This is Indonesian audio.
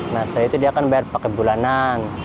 nah setelah itu dia akan bayar paket bulanan